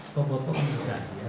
bapak memilih saya